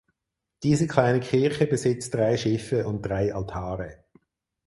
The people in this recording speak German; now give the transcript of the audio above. Diese kleine Kirche besitzt drei Schiffe und drei Altare.